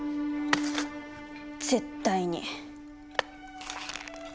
絶対に！